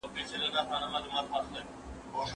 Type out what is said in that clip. موږ به د تل له پاره رښتيا ووايو.